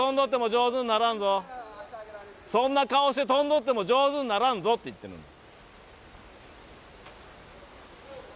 そんな顔して飛んどっても上手にならんぞって言ってんの。